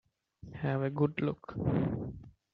Have a good look.